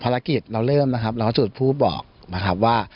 เราเริ่มนะครับเราก็จุดผู้บอกนะครับว่า